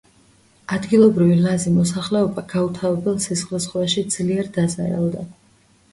ადგილობრივი ლაზი მოსახლეობა გაუთავებელ სისხლისღვრაში ძლიერ დაზარალდა.